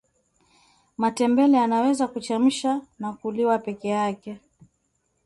matembele yanaweza kuchemsha na kuliwa pekee yake